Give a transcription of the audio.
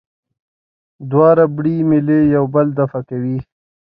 دوه ربړي میلې یو بل دفع کوي.